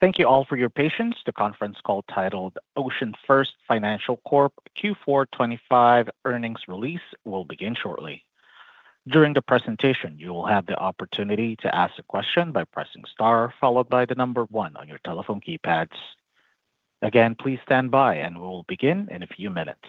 Thank you all for your patience. The conference call titled "OceanFirst Financial Corp. Q4 2025 Earnings Release" will begin shortly. During the presentation, you will have the opportunity to ask a question by pressing star followed by the number one on your telephone keypads. Again, please stand by, and we will begin in a few minutes.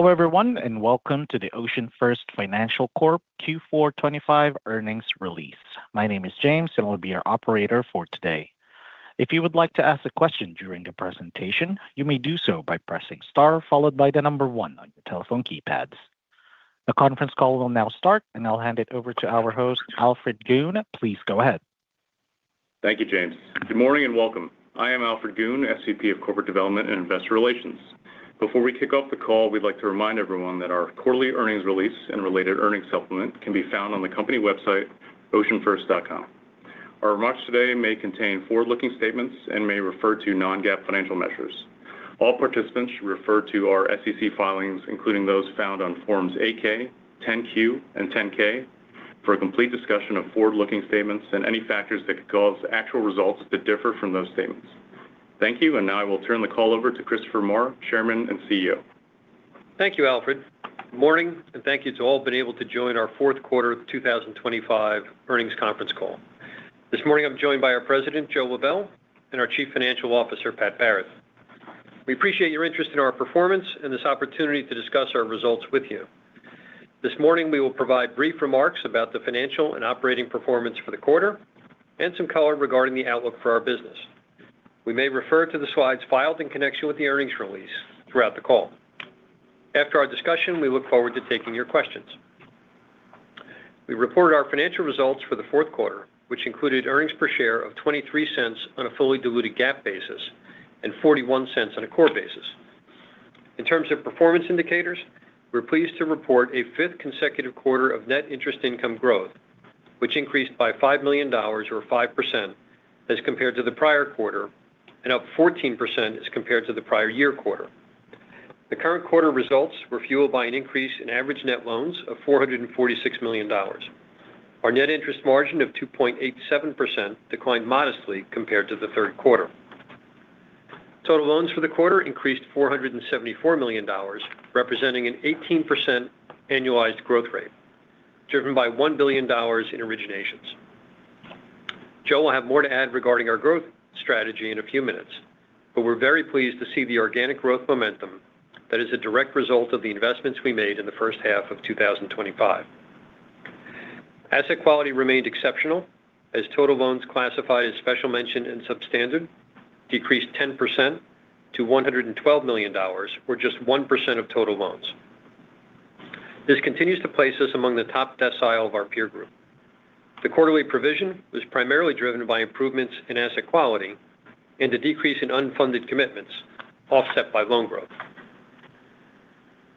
Hello everyone, and welcome to the OceanFirst Financial Corp. Q4 2025 Earnings Release. My name is James, and I'll be your operator for today. If you would like to ask a question during the presentation, you may do so by pressing star followed by the number one on your telephone keypads. The conference call will now start, and I'll hand it over to our host, Alfred Goon. Please go ahead. Thank you, James. Good morning and welcome. I am Alfred Goon, SVP of Corporate Development and Investor Relations. Before we kick off the call, we'd like to remind everyone that our quarterly earnings release and related earnings supplement can be found on the company website, oceanfirst.com. Our remarks today may contain forward-looking statements and may refer to non-GAAP financial measures. All participants should refer to our SEC filings, including those found on Forms 8-K, 10-Q, and 10-K, for a complete discussion of forward-looking statements and any factors that could cause actual results to differ from those statements. Thank you, and now I will turn the call over to Christopher Maher, Chairman and CEO. Thank you, Alfred. Good morning, and thank you to all for being able to join our fourth quarter 2025 earnings conference call. This morning, I'm joined by Our President, Joe Lebel, and Our Chief Financial Officer, Pat Barrett. We appreciate your interest in our performance and this opportunity to discuss our results with you. This morning, we will provide brief remarks about the financial and operating performance for the quarter and some color regarding the outlook for our business. We may refer to the slides filed in connection with the earnings release throughout the call. After our discussion, we look forward to taking your questions. We reported our financial results for the fourth quarter, which included earnings per share of $0.23 on a fully diluted GAAP basis and $0.41 on a core basis. In terms of performance indicators, we're pleased to report a fifth consecutive quarter of net interest income growth, which increased by $5 million, or 5%, as compared to the prior quarter and up 14% as compared to the prior year quarter. The current quarter results were fueled by an increase in average net loans of $446 million. Our net interest margin of 2.87% declined modestly compared to the third quarter. Total loans for the quarter increased $474 million, representing an 18% annualized growth rate, driven by $1 billion in originations. Joe, I'll have more to add regarding our growth strategy in a few minutes, but we're very pleased to see the organic growth momentum that is a direct result of the investments we made in the first half of 2025. Asset quality remained exceptional, as total loans classified as special mention and substandard decreased 10% to $112 million, or just 1% of total loans. This continues to place us among the top decile of our peer group. The quarterly provision was primarily driven by improvements in asset quality and a decrease in unfunded commitments offset by loan growth.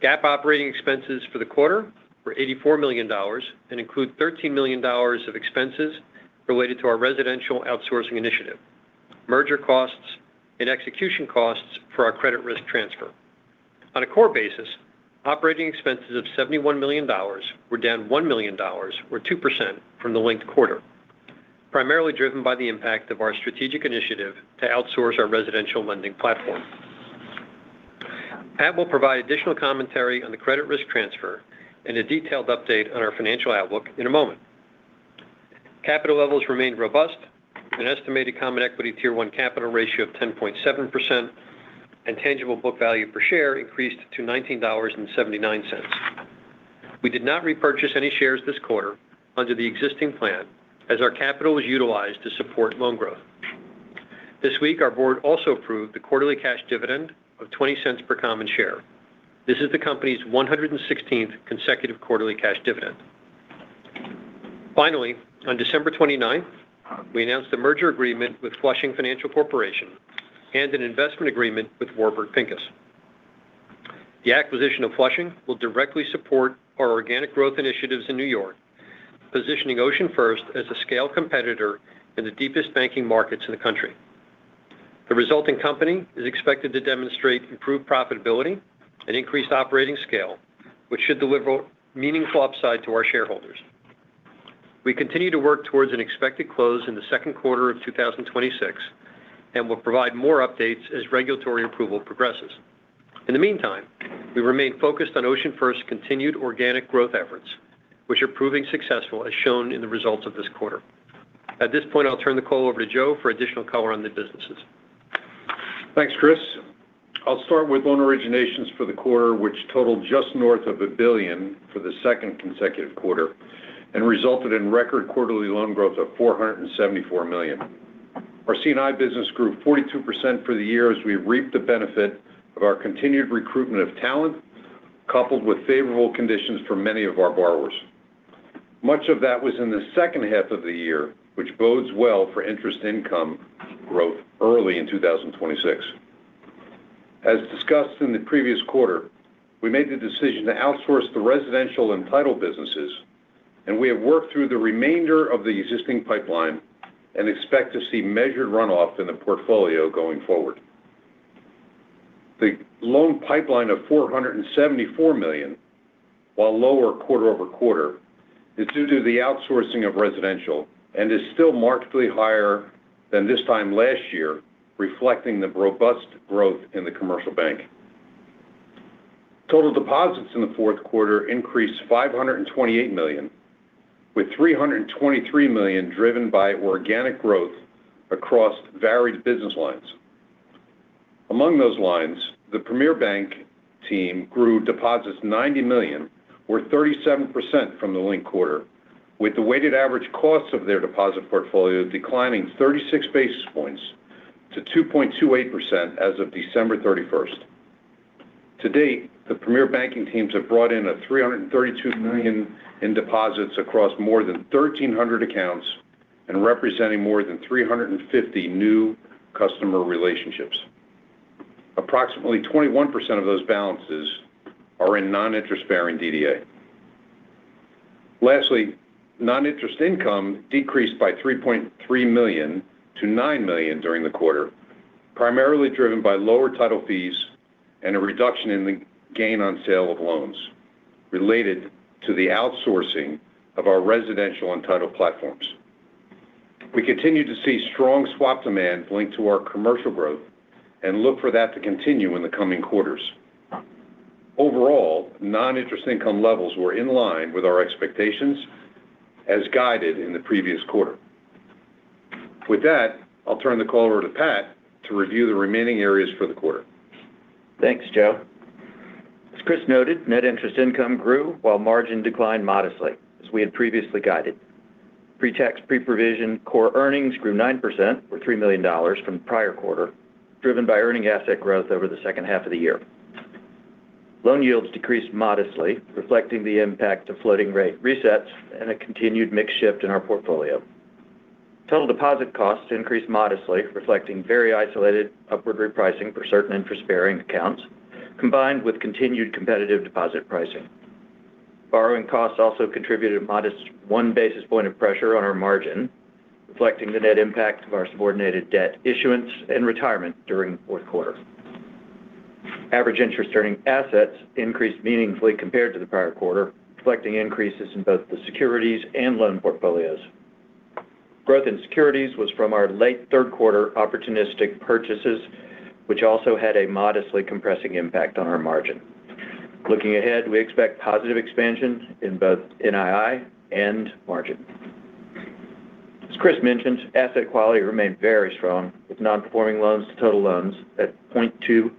GAAP operating expenses for the quarter were $84 million and include $13 million of expenses related to our residential outsourcing initiative, merger costs, and execution costs for our credit risk transfer. On a core basis, operating expenses of $71 million were down $1 million, or 2%, from the linked quarter, primarily driven by the impact of our strategic initiative to outsource our residential lending platform. Pat will provide additional commentary on the credit risk transfer and a detailed update on our financial outlook in a moment. Capital levels remained robust. An estimated Common Equity Tier 1 capital ratio of 10.7% and tangible book value per share increased to $19.79. We did not repurchase any shares this quarter under the existing plan, as our capital was utilized to support loan growth. This week, our board also approved the quarterly cash dividend of $0.20 per common share. This is the company's 116th consecutive quarterly cash dividend. Finally, on December 29th, we announced a merger agreement with Flushing Financial Corporation and an investment agreement with Warburg Pincus. The acquisition of Flushing will directly support our organic growth initiatives in New York, positioning OceanFirst as a scaled competitor in the deepest banking markets in the country. The resulting company is expected to demonstrate improved profitability and increased operating scale, which should deliver meaningful upside to our shareholders. We continue to work towards an expected close in the second quarter of 2026 and will provide more updates as regulatory approval progresses. In the meantime, we remain focused on OceanFirst's continued organic growth efforts, which are proving successful, as shown in the results of this quarter. At this point, I'll turn the call over to Joe for additional color on the businesses. Thanks, Chris. I'll start with loan originations for the quarter, which totaled just north of $1 billion for the second consecutive quarter and resulted in record quarterly loan growth of $474 million. Our C&I business grew 42% for the year as we reaped the benefit of our continued recruitment of talent, coupled with favorable conditions for many of our borrowers. Much of that was in the second half of the year, which bodes well for interest income growth early in 2026. As discussed in the previous quarter, we made the decision to outsource the residential and title businesses, and we have worked through the remainder of the existing pipeline and expect to see measured runoff in the portfolio going forward. The loan pipeline of $474 million, while lower quarter-over-quarter, is due to the outsourcing of residential and is still markedly higher than this time last year, reflecting the robust growth in the commercial bank. Total deposits in the fourth quarter increased $528 million, with $323 million driven by organic growth across varied business lines. Among those lines, the Premier Bank team grew deposits $90 million, or 37%, from the linked quarter, with the weighted average cost of their deposit portfolio declining 36 basis points to 2.28% as of December 31st. To date, the Premier Banking teams have brought in $332 million in deposits across more than 1,300 accounts and representing more than 350 new customer relationships. Approximately 21% of those balances are in non-interest-bearing DDA. Lastly, non-interest income decreased by $3.3 million to $9 million during the quarter, primarily driven by lower title fees and a reduction in the gain on sale of loans related to the outsourcing of our residential and title platforms. We continue to see strong swap demand linked to our commercial growth and look for that to continue in the coming quarters. Overall, non-interest income levels were in line with our expectations, as guided in the previous quarter. With that, I'll turn the call over to Pat to review the remaining areas for the quarter. Thanks, Joe. As Chris noted, net interest income grew while margin declined modestly, as we had previously guided. Pre-tax, pre-provision, core earnings grew 9%, or $3 million, from the prior quarter, driven by earning asset growth over the second half of the year. Loan yields decreased modestly, reflecting the impact of floating rate resets and a continued mixed shift in our portfolio. Total deposit costs increased modestly, reflecting very isolated upward repricing for certain interest-bearing accounts, combined with continued competitive deposit pricing. Borrowing costs also contributed a modest one basis point of pressure on our margin, reflecting the net impact of our subordinated debt issuance and retirement during the fourth quarter. Average interest-earning assets increased meaningfully compared to the prior quarter, reflecting increases in both the securities and loan portfolios. Growth in securities was from our late third quarter opportunistic purchases, which also had a modestly compressing impact on our margin. Looking ahead, we expect positive expansion in both NII and margin. As Chris mentioned, asset quality remained very strong, with non-performing loans to total loans at 0.2%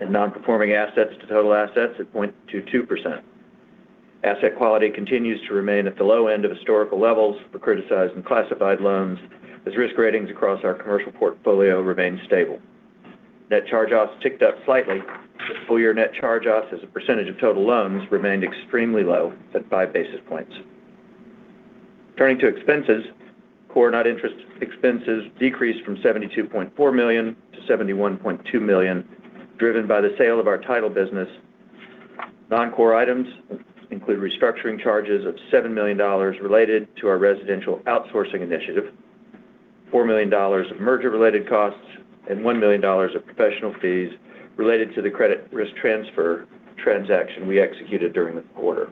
and non-performing assets to total assets at 0.22%. Asset quality continues to remain at the low end of historical levels for criticized and classified loans, as risk ratings across our commercial portfolio remain stable. Net charge-offs ticked up slightly, but full-year net charge-offs as a percentage of total loans remained extremely low at five basis points. Turning to expenses, core non-interest expenses decreased from $72.4 million to $71.2 million, driven by the sale of our title business. Non-core items include restructuring charges of $7 million related to our residential outsourcing initiative, $4 million of merger-related costs, and $1 million of professional fees related to the credit risk transfer transaction we executed during the quarter.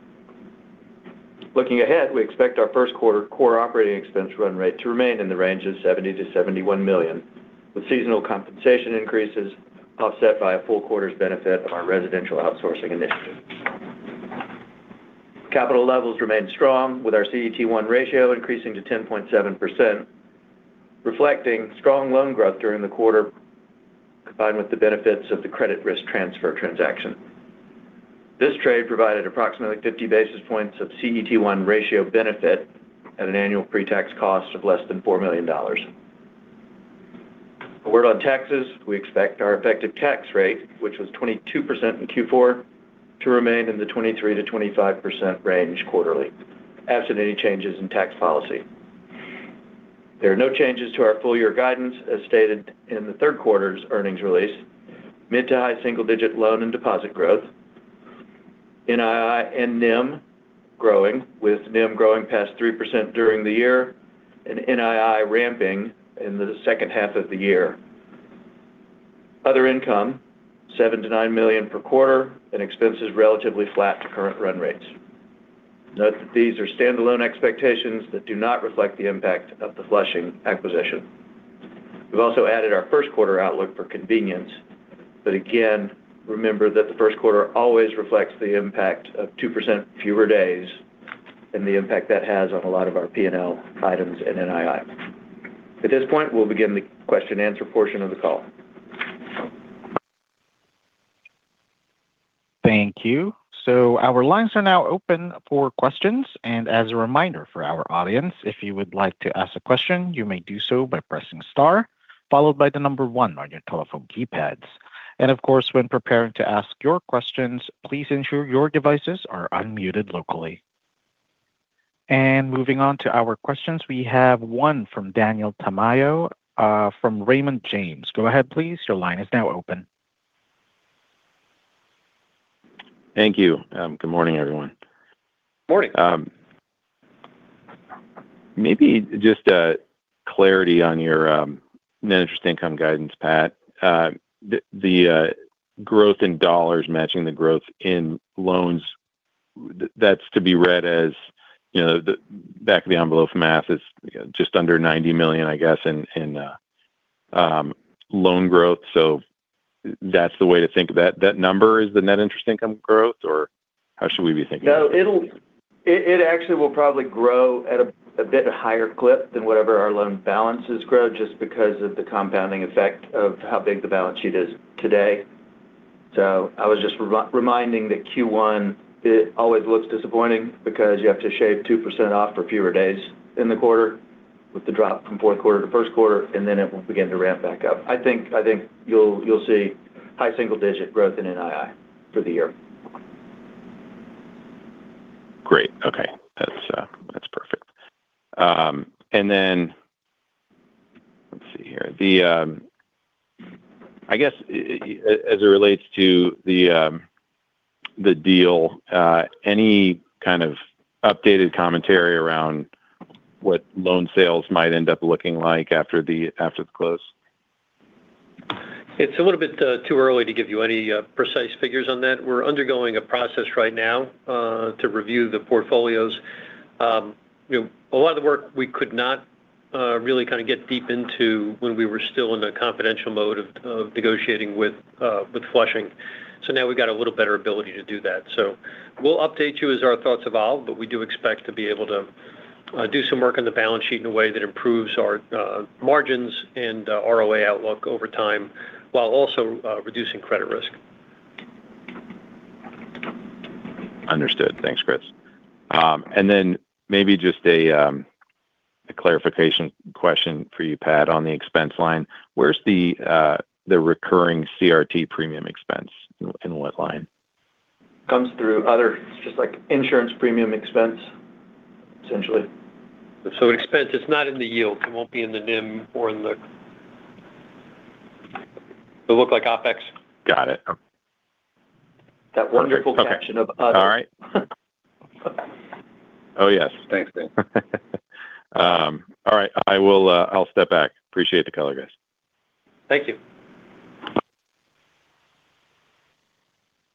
Looking ahead, we expect our first quarter core operating expense run rate to remain in the range of $70-$71 million, with seasonal compensation increases offset by a full quarter's benefit of our residential outsourcing initiative. Capital levels remained strong, with our CET1 ratio increasing to 10.7%, reflecting strong loan growth during the quarter combined with the benefits of the credit risk transfer transaction. This trade provided approximately 50 basis points of CET1 ratio benefit at an annual pre-tax cost of less than $4 million. A word on taxes, we expect our effective tax rate, which was 22% in Q4, to remain in the 23%-25% range quarterly, absent any changes in tax policy. There are no changes to our full-year guidance, as stated in the third quarter's earnings release. Mid to high single-digit loan and deposit growth, NII and NIM growing, with NIM growing past 3% during the year and NII ramping in the second half of the year. Other income, $7 million-$9 million per quarter, and expenses relatively flat to current run rates. Note that these are standalone expectations that do not reflect the impact of the Flushing acquisition. We've also added our first quarter outlook for convenience, but again, remember that the first quarter always reflects the impact of 2% fewer days and the impact that has on a lot of our P&L items and NII. At this point, we'll begin the question-and-answer portion of the call. Thank you. Our lines are now open for questions. As a reminder for our audience, if you would like to ask a question, you may do so by pressing star, followed by the number one on your telephone keypads. Of course, when preparing to ask your questions, please ensure your devices are unmuted locally. Moving on to our questions, we have one from Daniel Tamayo from Raymond James. Go ahead, please. Your line is now open. Thank you. Good morning, everyone. Morning. Maybe just clarity on your net interest income guidance, Pat. The growth in dollars matching the growth in loans, that's to be read as the back of the envelope math is just under $90 million, I guess, in loan growth. So that's the way to think of that. That number is the net interest income growth, or how should we be thinking? No, it actually will probably grow at a bit higher clip than whatever our loan balances grow, just because of the compounding effect of how big the balance sheet is today. So I was just reminding that Q1 always looks disappointing because you have to shave 2% off for fewer days in the quarter with the drop from fourth quarter to first quarter, and then it will begin to ramp back up. I think you'll see high single-digit growth in NII for the year. Great. Okay. That's perfect. And then let's see here. I guess as it relates to the deal, any kind of updated commentary around what loan sales might end up looking like after the close? It's a little bit too early to give you any precise figures on that. We're undergoing a process right now to review the portfolios. A lot of the work we could not really kind of get deep into when we were still in a confidential mode of negotiating with Flushing. So now we've got a little better ability to do that. So we'll update you as our thoughts evolve, but we do expect to be able to do some work on the balance sheet in a way that improves our margins and ROA outlook over time while also reducing credit risk. Understood. Thanks, Chris. And then maybe just a clarification question for you, Pat, on the expense line. Where's the recurring CRT premium expense? In what line? Comes through other just like insurance premium expense, essentially. It's not in the yield. It won't be in the NIM or in the, it'll look like OpEx. Got it. Okay. That wonderful connection of us. All right. Oh, yes. Thanks, Dave. All right. I'll step back. Appreciate the color, guys. Thank you.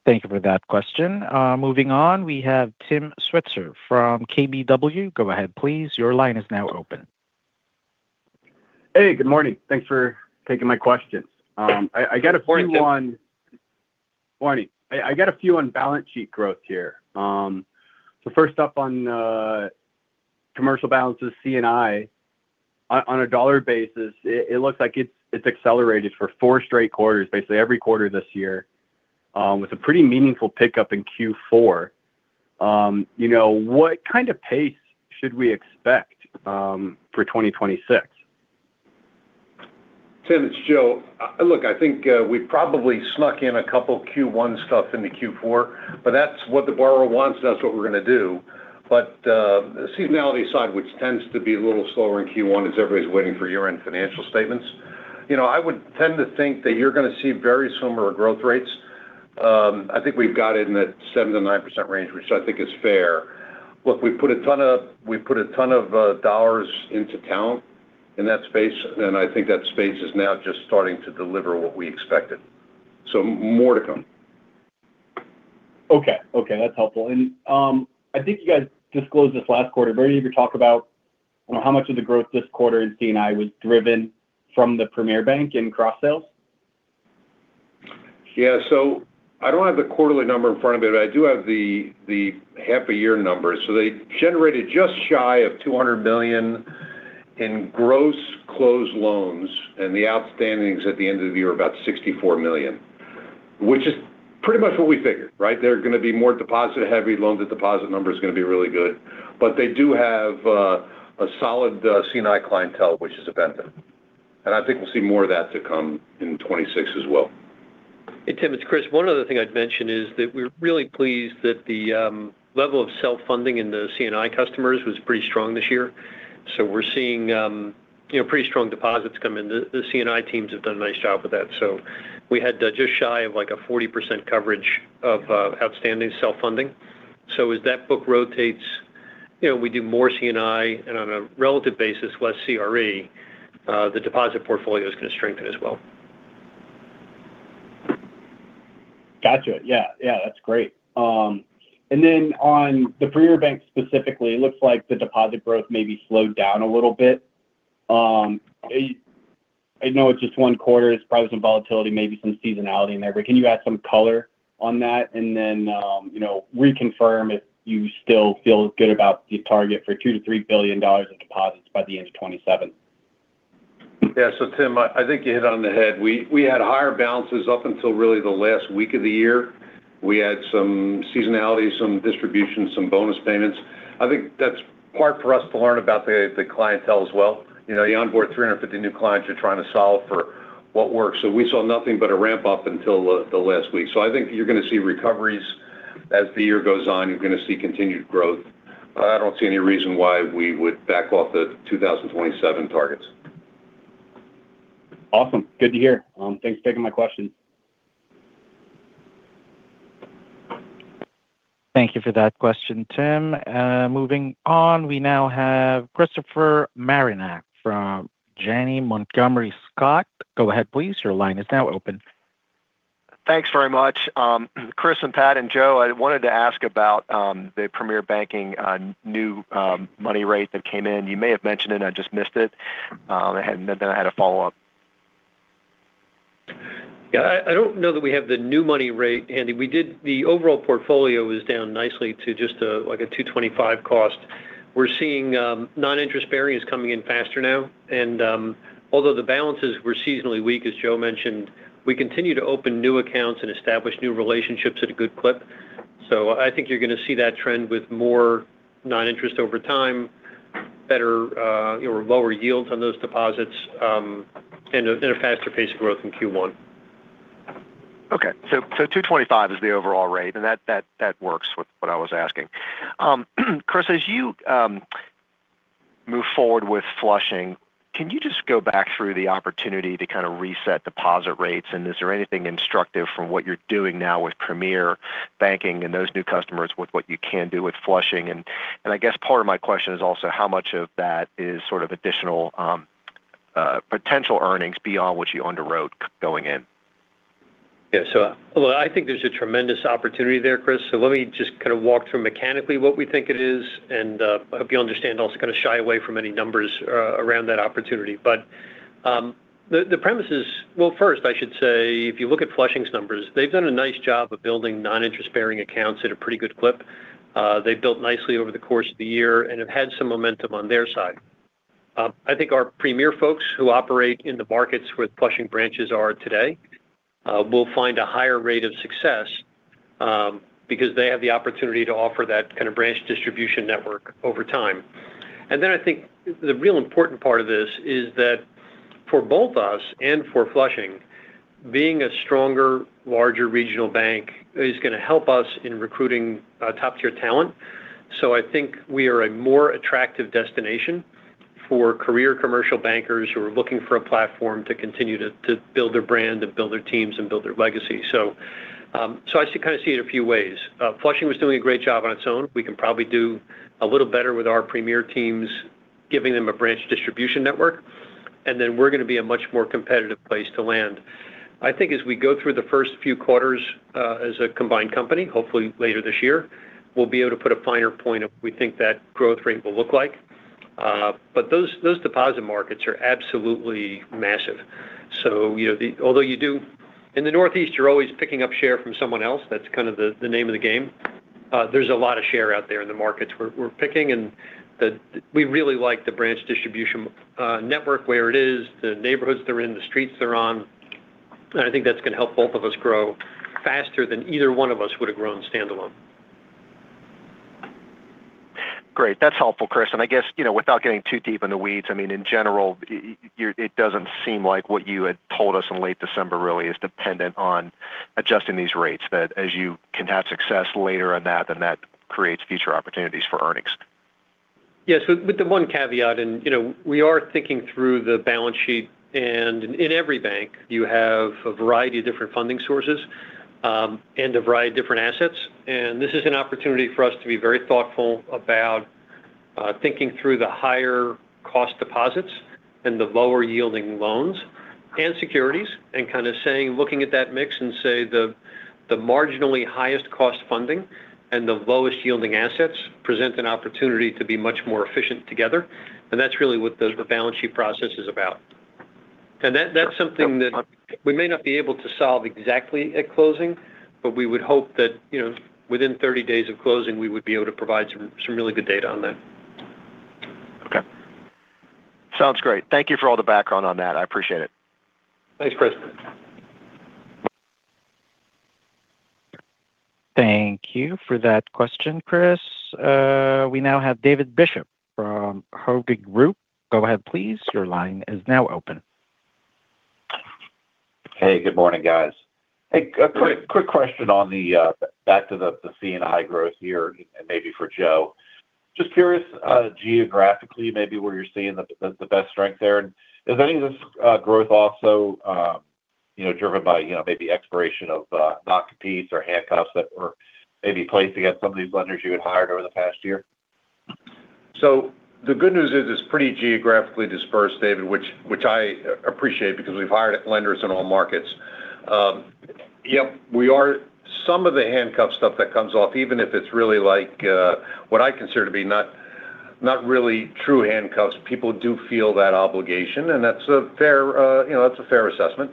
Thank you for that question. Moving on, we have Tim Switzer from KBW. Go ahead, please. Your line is now open. Hey, good morning. Thanks for taking my questions. I got a few on. Morning. Morning. I got a few on balance sheet growth here. So first up on commercial balances, C&I, on a dollar basis, it looks like it's accelerated for four straight quarters, basically every quarter this year, with a pretty meaningful pickup in Q4. What kind of pace should we expect for 2026? Tim, it's Joe. Look, I think we probably snuck in a couple Q1 stuff into Q4, but that's what the borrower wants, and that's what we're going to do. But the seasonality side, which tends to be a little slower in Q1, as everybody's waiting for year-end financial statements, I would tend to think that you're going to see very similar growth rates. I think we've got it in that 7%-9% range, which I think is fair. Look, we've put a ton of dollars into talent in that space, and I think that space is now just starting to deliver what we expected. So more to come. Okay. Okay. That's helpful. And I think you guys disclosed this last quarter, but I believe you talked about how much of the growth this quarter in C&I was driven from the Premier Bank in cross-sales? Yeah. So I don't have the quarterly number in front of me, but I do have the half-year number. So they generated just shy of $200 million in gross closed loans, and the outstandings at the end of the year are about $64 million, which is pretty much what we figured, right? They're going to be more deposit-heavy loans. The deposit number is going to be really good. But they do have a solid C&I clientele, which is a benefit. I think we'll see more of that to come in 2026 as well. Hey, Tim, it's Chris. One other thing I'd mention is that we're really pleased that the level of self-funding in the C&I customers was pretty strong this year. So we're seeing pretty strong deposits come in. The C&I teams have done a nice job with that. So we had just shy of like a 40% coverage of outstanding self-funding. So as that book rotates, we do more C&I, and on a relative basis, less CRE. The deposit portfolio is going to strengthen as well. Gotcha. Yeah. Yeah. That's great. And then on the Premier Bank specifically, it looks like the deposit growth maybe slowed down a little bit. I know it's just one quarter. It's probably some volatility, maybe some seasonality in there. But can you add some color on that and then reconfirm if you still feel good about the target for $2 billion-$3 billion in deposits by the end of 2027? Yeah. So Tim, I think you hit it on the head. We had higher balances up until really the last week of the year. We had some seasonality, some distributions, some bonus payments. I think that's hard for us to learn about the clientele as well. You onboard 350 new clients, you're trying to solve for what works. So we saw nothing but a ramp-up until the last week. So I think you're going to see recoveries as the year goes on. You're going to see continued growth. I don't see any reason why we would back off the 2027 targets. Awesome. Good to hear. Thanks for taking my question. Thank you for that question, Tim. Moving on, we now have Christopher Marinac from Janney Montgomery Scott. Go ahead, please. Your line is now open. Thanks very much. Chris and Pat and Joe, I wanted to ask about the Premier Banking new money rate that came in. You may have mentioned it. I just missed it. And then I had a follow-up. Yeah. I don't know that we have the new money rate handy. The overall portfolio is down nicely to just like a 225 cost. We're seeing non-interest bearings coming in faster now. And although the balances were seasonally weak, as Joe mentioned, we continue to open new accounts and establish new relationships at a good clip. So I think you're going to see that trend with more non-interest over time, better or lower yields on those deposits, and a faster pace of growth in Q1. Okay. So 225 is the overall rate, and that works with what I was asking. Chris, as you move forward with Flushing, can you just go back through the opportunity to kind of reset deposit rates? And is there anything instructive from what you're doing now with Premier Banking and those new customers with what you can do with Flushing? And I guess part of my question is also how much of that is sort of additional potential earnings beyond what you underwrote going in? Yeah. So look, I think there's a tremendous opportunity there, Chris. So let me just kind of walk through mechanically what we think it is. And I hope you understand I'll kind of shy away from any numbers around that opportunity. But the premise is, well, first, I should say, if you look at Flushing's numbers, they've done a nice job of building non-interest-bearing accounts at a pretty good clip. They've built nicely over the course of the year and have had some momentum on their side. I think our Premier folks who operate in the markets with Flushing branches are today will find a higher rate of success because they have the opportunity to offer that kind of branch distribution network over time. Then I think the real important part of this is that for both us and for Flushing, being a stronger, larger regional bank is going to help us in recruiting top-tier talent. So I think we are a more attractive destination for career commercial bankers who are looking for a platform to continue to build their brand and build their teams and build their legacy. So I kind of see it a few ways. Flushing was doing a great job on its own. We can probably do a little better with our Premier teams giving them a branch distribution network. Then we're going to be a much more competitive place to land. I think as we go through the first few quarters as a combined company, hopefully later this year, we'll be able to put a finer point of what we think that growth rate will look like. But those deposit markets are absolutely massive. So although you do in the Northeast, you're always picking up share from someone else. That's kind of the name of the game. There's a lot of share out there in the markets we're picking. And we really like the branch distribution network where it is, the neighborhoods they're in, the streets they're on. And I think that's going to help both of us grow faster than either one of us would have grown standalone. Great. That's helpful, Chris. I guess without getting too deep in the weeds, I mean, in general, it doesn't seem like what you had told us in late December really is dependent on adjusting these rates that as you can have success later on that, then that creates future opportunities for earnings. Yeah. So, with the one caveat, we are thinking through the balance sheet. In every bank, you have a variety of different funding sources and a variety of different assets. This is an opportunity for us to be very thoughtful about thinking through the higher-cost deposits and the lower-yielding loans and securities and kind of looking at that mix and say the marginally highest-cost funding and the lowest-yielding assets present an opportunity to be much more efficient together. That's really what the balance sheet process is about. That's something that we may not be able to solve exactly at closing, but we would hope that within 30 days of closing, we would be able to provide some really good data on that. Okay. Sounds great. Thank you for all the background on that. I appreciate it. Thanks, Chris. Thank you for that question, Chris. We now have David Bishop from Hovde Group. Go ahead, please. Your line is now open. Hey, good morning, guys. Hey, quick question, getting back to the C&I growth here and maybe for Joe. Just curious geographically maybe where you're seeing the best strength there. And is any of this growth also driven by maybe expiration of non-compete clause or handcuffs that were maybe placed against some of these lenders you had hired over the past year? So the good news is it's pretty geographically dispersed, David, which I appreciate because we've hired lenders in all markets. Yep. Some of the handcuff stuff that comes off, even if it's really like what I consider to be not really true handcuffs, people do feel that obligation. And that's a fair assessment.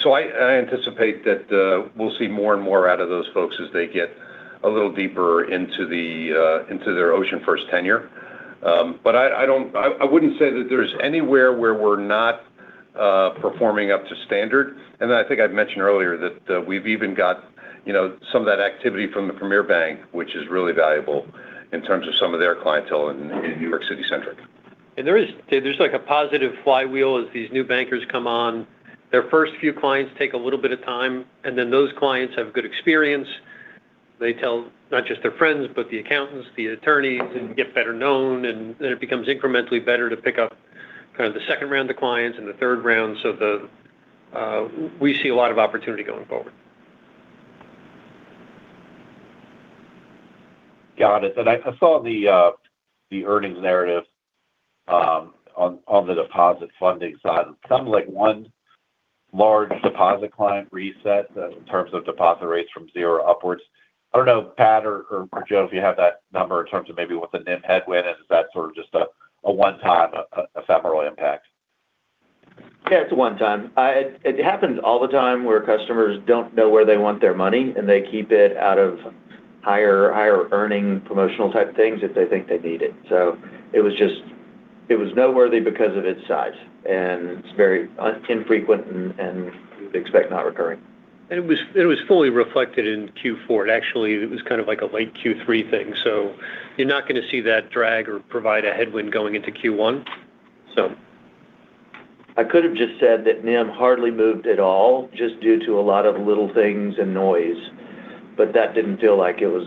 So I anticipate that we'll see more and more out of those folks as they get a little deeper into their OceanFirst tenure. But I wouldn't say that there's anywhere where we're not performing up to standard. And then I think I'd mentioned earlier that we've even got some of that activity from the Premier Bank, which is really valuable in terms of some of their clientele in New York City-centric. And there's like a positive flywheel as these new bankers come on. Their first few clients take a little bit of time, and then those clients have good experience. They tell not just their friends, but the accountants, the attorneys, and get better known. Then it becomes incrementally better to pick up kind of the second round of clients and the third round. We see a lot of opportunity going forward. Got it. I saw the earnings narrative on the deposit funding side. It sounded like one large deposit client reset in terms of deposit rates from zero upwards. I don't know, Pat or Joe, if you have that number in terms of maybe what the NIM headwind is, is that sort of just a one-time ephemeral impact? Yeah, it's a one-time. It happens all the time where customers don't know where they want their money, and they keep it out of higher-earning promotional type things if they think they need it. So it was just it was noteworthy because of its size. And it's very infrequent, and we would expect not recurring. It was fully reflected in Q4. Actually, it was kind of like a late Q3 thing. You're not going to see that drag or provide a headwind going into Q1, so. I could have just said that NIM hardly moved at all just due to a lot of little things and noise, but that didn't feel like it was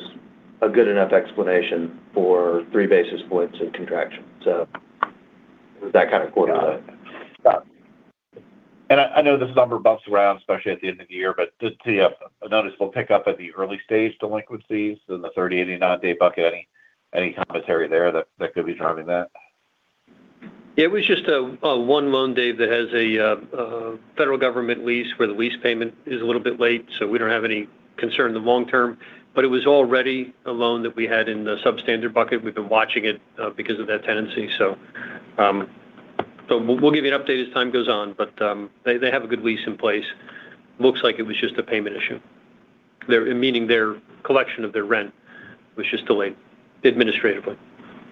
a good enough explanation for 3 basis points of contraction. So it was that kind of quarterly. I know this number bumps around, especially at the end of the year, but to see a noticeable pickup at the early stage delinquencies in the 30-89-day bucket, any commentary there that could be driving that? It was just a 1-loan, Dave, that has a federal government lease where the lease payment is a little bit late. So we don't have any concern in the long term. But it was already a loan that we had in the Substandard bucket. We've been watching it because of that tendency. So we'll give you an update as time goes on, but they have a good lease in place. Looks like it was just a payment issue, meaning their collection of their rent was just delayed administratively.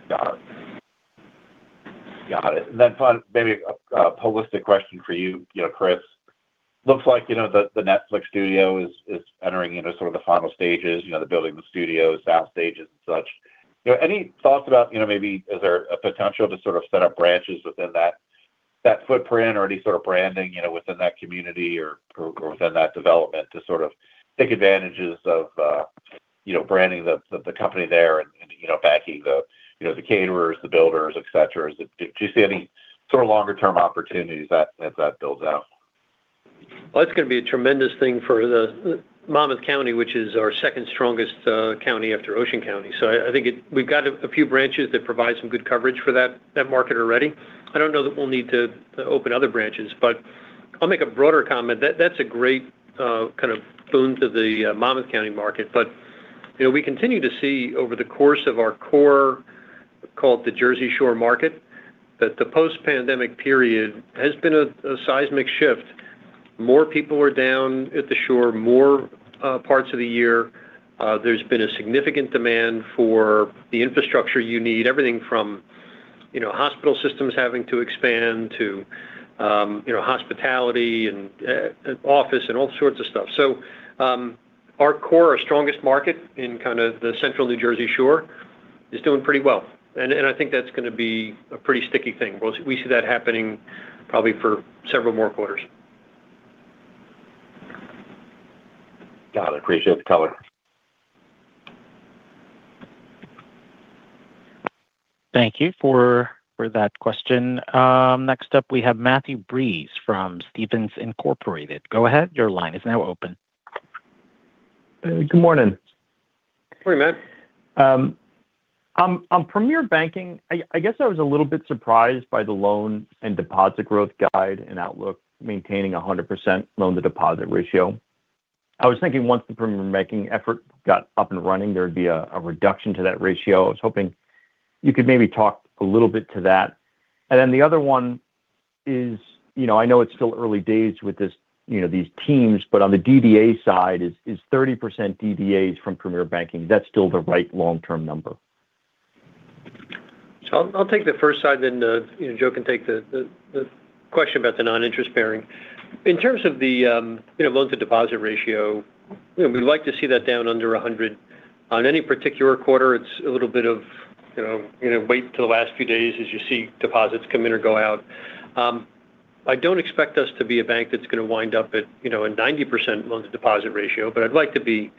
Got it. Got it. And then maybe a holistic question for you, Chris. Looks like the Netflix studio is entering into sort of the final stages, the building of the studio, sound stages, and such. Any thoughts about maybe is there a potential to sort of set up branches within that footprint or any sort of branding within that community or within that development to sort of take advantages of branding the company there and backing the caterers, the builders, etc.? Do you see any sort of longer-term opportunities as that builds out? Well, it's going to be a tremendous thing for the Monmouth County, which is our second-strongest county after Ocean County. So I think we've got a few branches that provide some good coverage for that market already. I don't know that we'll need to open other branches, but I'll make a broader comment. That's a great kind of boon to the Monmouth County market. But we continue to see over the course of our core, call it the Jersey Shore market, that the post-pandemic period has been a seismic shift. More people are down at the shore, more parts of the year. There's been a significant demand for the infrastructure you need, everything from hospital systems having to expand to hospitality and office and all sorts of stuff. So our core, our strongest market in kind of the central New Jersey Shore, is doing pretty well. I think that's going to be a pretty sticky thing. We see that happening probably for several more quarters. Got it. Appreciate the color. Thank you for that question. Next up, we have Matthew Breese from Stephens. Go ahead. Your line is now open. Good morning. Morning, Matt. On Premier Banking, I guess I was a little bit surprised by the loan and deposit growth guide and outlook maintaining a 100% loan-to-deposit ratio. I was thinking once the Premier Banking effort got up and running, there would be a reduction to that ratio. I was hoping you could maybe talk a little bit to that. And then the other one is I know it's still early days with these teams, but on the DDA side, is 30% DDAs from Premier Banking? Is that still the right long-term number? So I'll take the first side, then Joe can take the question about the non-interest bearing. In terms of the loan-to-deposit ratio, we'd like to see that down under 100. On any particular quarter, it's a little bit of wait till the last few days as you see deposits come in or go out. I don't expect us to be a bank that's going to wind up at a 90% loan-to-deposit ratio, but I'd like to be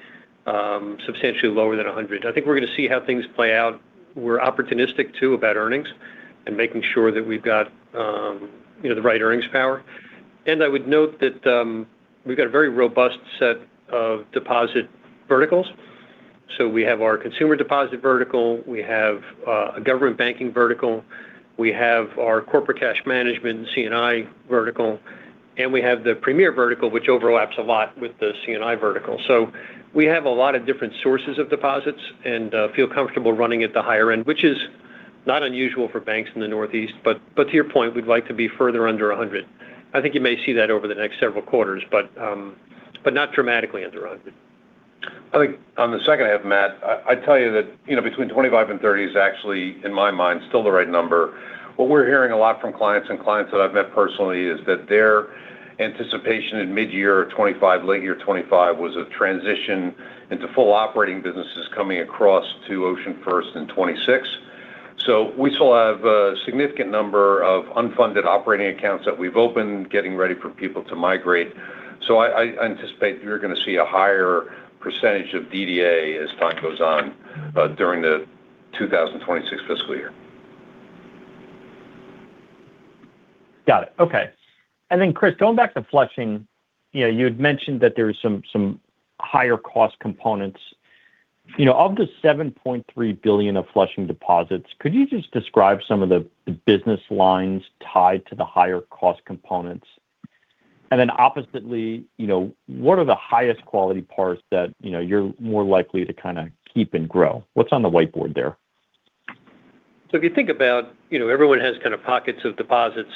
substantially lower than 100. I think we're going to see how things play out. We're opportunistic too about earnings and making sure that we've got the right earnings power. And I would note that we've got a very robust set of deposit verticals. So we have our consumer deposit vertical. We have a government banking vertical. We have our corporate cash management and C&I vertical. We have the Premier vertical, which overlaps a lot with the C&I vertical. We have a lot of different sources of deposits and feel comfortable running at the higher end, which is not unusual for banks in the Northeast. To your point, we'd like to be further under 100. I think you may see that over the next several quarters, but not dramatically under 100. I think on the second half, Matt, I'd tell you that between 25 and 30 is actually, in my mind, still the right number. What we're hearing a lot from clients and clients that I've met personally is that their anticipation in mid-year 2025, late year 2025, was a transition into full operating businesses coming across to OceanFirst in 2026. So we still have a significant number of unfunded operating accounts that we've opened getting ready for people to migrate. So I anticipate you're going to see a higher percentage of DDA as time goes on during the 2026 Fiscal Year. Got it. Okay. And then, Chris, going back to Flushing, you had mentioned that there were some higher-cost components. Of the $7.3 billion of Flushing deposits, could you just describe some of the business lines tied to the higher-cost components? And then oppositely, what are the highest-quality parts that you're more likely to kind of keep and grow? What's on the whiteboard there? So if you think about everyone has kind of pockets of deposits,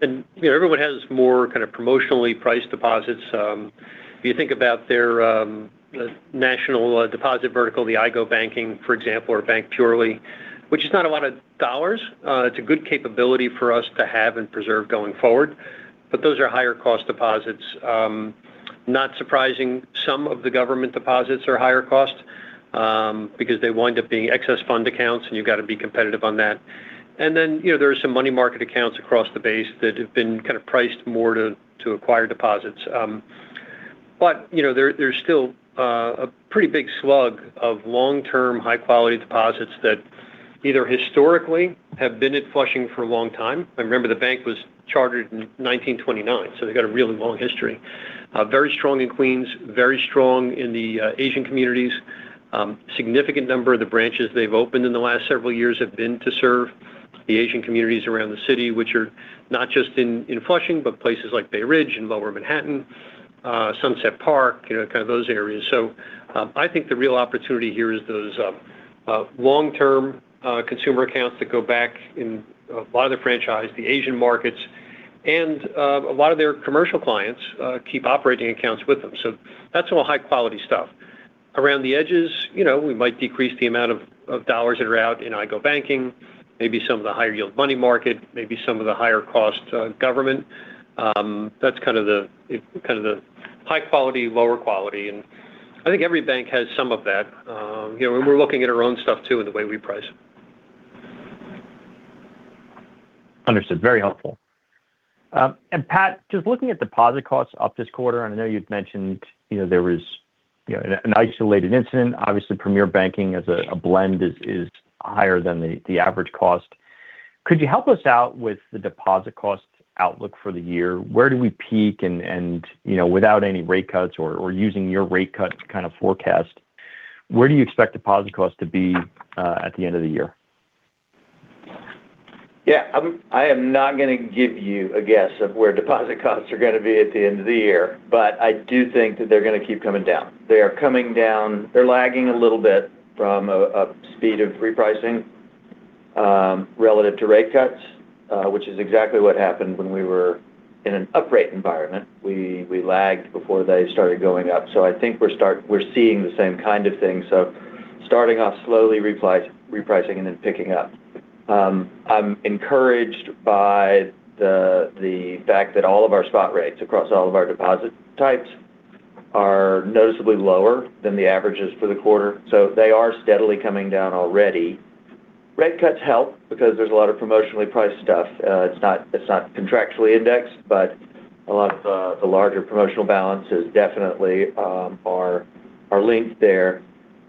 and everyone has more kind of promotionally priced deposits. If you think about their national deposit vertical, the iGObanking, for example, or BankPurely, which is not a lot of dollars, it's a good capability for us to have and preserve going forward. But those are higher-cost deposits. Not surprising, some of the government deposits are higher-cost because they wind up being excess fund accounts, and you've got to be competitive on that. And then there are some money market accounts across the base that have been kind of priced more to acquire deposits. But there's still a pretty big slug of long-term, high-quality deposits that either historically have been at Flushing for a long time. I remember the bank was chartered in 1929, so they've got a really long history. Very strong in Queens, very strong in the Asian communities. Significant number of the branches they've opened in the last several years have been to serve the Asian communities around the city, which are not just in Flushing, but places like Bay Ridge and Lower Manhattan, Sunset Park, kind of those areas. So I think the real opportunity here is those long-term consumer accounts that go back in a lot of the franchise, the Asian markets, and a lot of their commercial clients keep operating accounts with them. So that's all high-quality stuff. Around the edges, we might decrease the amount of dollars that are out in iGObanking, maybe some of the higher-yield money market, maybe some of the higher-cost government. That's kind of the high-quality, lower quality. And I think every bank has some of that. We're looking at our own stuff too in the way we price. Understood. Very helpful. Pat, just looking at deposit costs up this quarter, and I know you'd mentioned there was an isolated incident. Obviously, Premier Banking as a blend is higher than the average cost. Could you help us out with the deposit cost outlook for the year? Where do we peak? And without any rate cuts or using your rate cut kind of forecast, where do you expect deposit costs to be at the end of the year? Yeah. I am not going to give you a guess of where deposit costs are going to be at the end of the year, but I do think that they're going to keep coming down. They are coming down. They're lagging a little bit from a speed of repricing relative to rate cuts, which is exactly what happened when we were in an upright environment. We lagged before they started going up. So I think we're seeing the same kind of thing. So starting off slowly, repricing, and then picking up. I'm encouraged by the fact that all of our spot rates across all of our deposit types are noticeably lower than the averages for the quarter. So they are steadily coming down already. Rate cuts help because there's a lot of promotionally priced stuff. It's not contractually indexed, but a lot of the larger promotional balances definitely are linked there.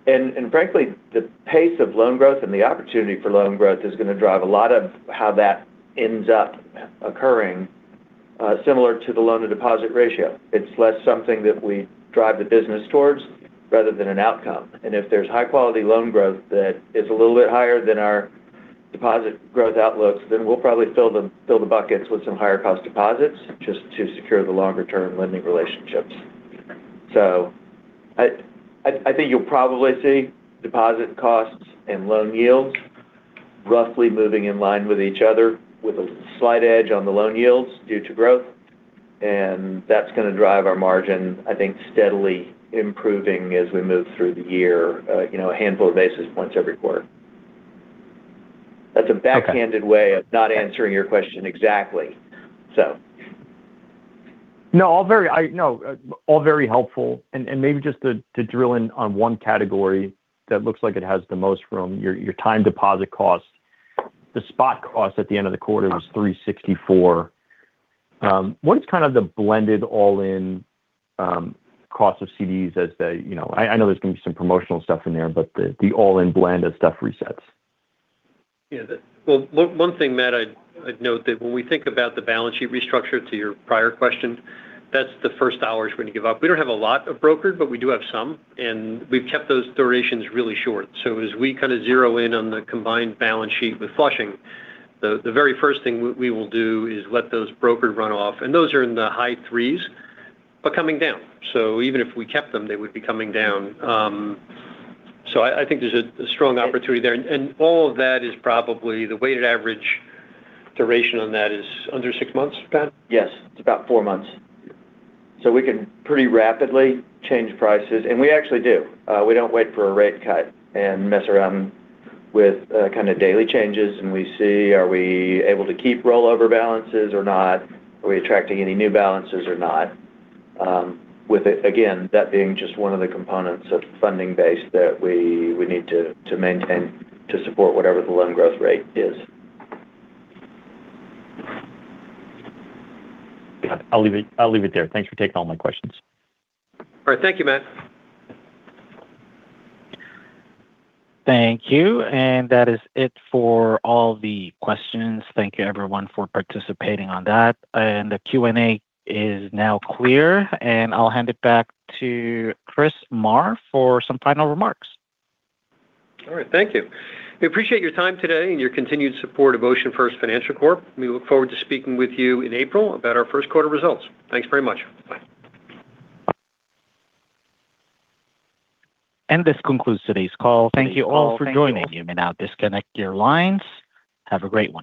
And frankly, the pace of loan growth and the opportunity for loan growth is going to drive a lot of how that ends up occurring, similar to the loan-to-deposit ratio. It's less something that we drive the business towards rather than an outcome. And if there's high-quality loan growth that is a little bit higher than our deposit growth outlooks, then we'll probably fill the buckets with some higher-cost deposits just to secure the longer-term lending relationships. So I think you'll probably see deposit costs and loan yields roughly moving in line with each other, with a slight edge on the loan yields due to growth. And that's going to drive our margin, I think, steadily improving as we move through the year, a handful of basis points every quarter. That's a backhanded way of not answering your question exactly, so. No, all very helpful. And maybe just to drill in on one category that looks like it has the most room, your time deposit costs. The spot cost at the end of the quarter was 364. What is kind of the blended all-in cost of CDs as they? I know there's going to be some promotional stuff in there, but the all-in blend of stuff resets. Yeah. Well, one thing, Matt, I'd note that when we think about the balance sheet restructure to your prior question, that's the first source when you give up. We don't have a lot of brokers, but we do have some. And we've kept those durations really short. So as we kind of zero in on the combined balance sheet with Flushing, the very first thing we will do is let those brokers run off. And those are in the high threes, but coming down. So even if we kept them, they would be coming down. So I think there's a strong opportunity there. And all of that is probably the weighted average duration on that is under six months, Pat? Yes. It's about 4 months. So we can pretty rapidly change prices. And we actually do. We don't wait for a rate cut and mess around with kind of daily changes. And we see, are we able to keep rollover balances or not? Are we attracting any new balances or not? With, again, that being just one of the components of funding base that we need to maintain to support whatever the loan growth rate is. I'll leave it there. Thanks for taking all my questions. All right. Thank you, Matt. Thank you. That is it for all the questions. Thank you, everyone, for participating on that. The Q&A is now clear. I'll hand it back to Chris Maher for some final remarks. All right. Thank you. We appreciate your time today and your continued support of OceanFirst Financial Corp. We look forward to speaking with you in April about our first quarter results. Thanks very much. Bye. This concludes today's call. Thank you all for joining. You may now disconnect your lines. Have a great one.